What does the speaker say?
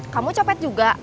kamu copet juga